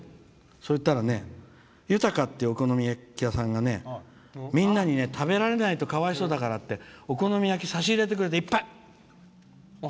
そしたらね、ゆたかってお好み焼き屋さんがみんなに、食べられないとかわいそうだからお好み焼き、差し入れてくれていっぱい！